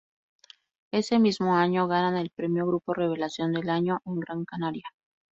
Ese mismo año ganan el premio "Grupo Revelación del Año" en Gran Canaria.